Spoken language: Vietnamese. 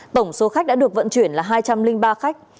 tổng số khách đã được vận chuyển là hai trăm linh ba khách